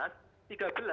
kemudian sepuluh hari jumat